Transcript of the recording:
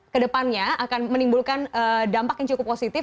ke depannya akan menimbulkan dampak yang cukup positif